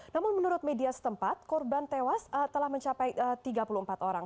namun menurut media setempat korban tewas telah mencapai tiga puluh empat orang